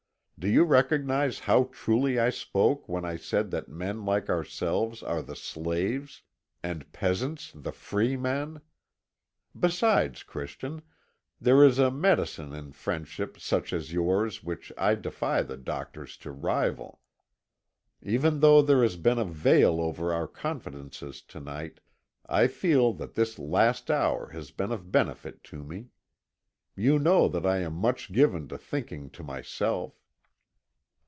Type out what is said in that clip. Do you recognise how truly I spoke when I said that men like ourselves are the slaves, and peasants the free men? Besides, Christian, there is a medicine in friendship such as yours which I defy the doctors to rival. Even though there has been a veil over our confidences to night, I feel that this last hour has been of benefit to me. You know that I am much given to thinking to myself.